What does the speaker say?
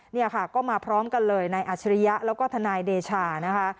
เนี่ยค่ะก็มาพร้อมกันเลยนายอัชริยะแล้วก็ทนายเดชานะคะ